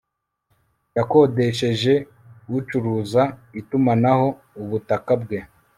yakodesheje ucuruza itumanaho ubutaka bwe